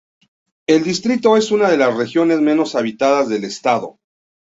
El distrito es una de las regiones menos habitadas del estado.